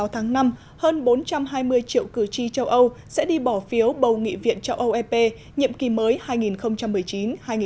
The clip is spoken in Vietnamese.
hai mươi tháng năm hơn bốn trăm hai mươi triệu cử tri châu âu sẽ đi bỏ phiếu bầu nghị viện châu âu ep nhiệm kỳ mới hai nghìn một mươi chín hai nghìn hai mươi